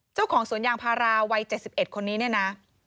เจ้าของสวนยางพาราวัย๗๑คนนี้เนี่ยนะ